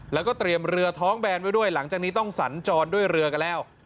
แล้วก็เตรียมเรือท้องแบนไว้ด้วยหลังจากนี้ต้องสัญจรด้วยเรือกันแล้ว